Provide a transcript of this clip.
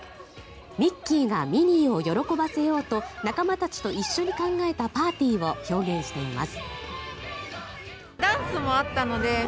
ミッキーがミニーを喜ばせようと仲間たちと一緒に考えたパーティーを表現しています。